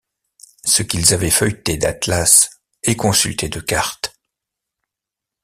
Ce qu’ils avaient feuilleté d’atlas et consulté de cartes!...